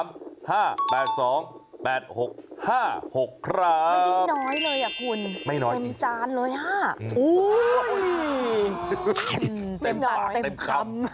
ไม่น้อยเลยคุณเต็มจานเลยฮะเต็มปากเต็มคำ